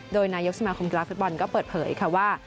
โดยนายกสมาคมกีฬาฟุตบอลก็เปิดเผยค่ะว่า